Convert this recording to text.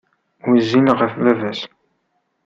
Wezzil ɣef baba-s.